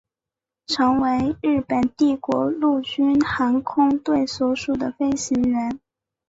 成为日本帝国陆军航空队所属的飞行员。